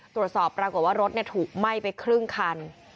ตรวจสอบปรากฏว่ารถถูกไหม้ไปครึ่งคัน